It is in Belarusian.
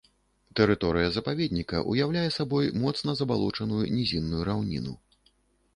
Тэрыторыя запаведніка ўяўляе сабой моцна забалочаную нізінную раўніну.